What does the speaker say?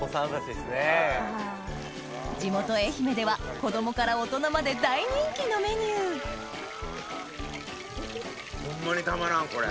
地元愛媛では子供から大人まで大人気のメニューホンマにたまらんこれ。